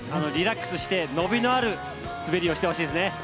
リラックスして伸びのある滑りをしてほしいですね。